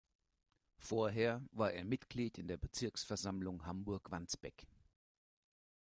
Vorher war er Mitglied in der Bezirksversammlung Hamburg-Wandsbek.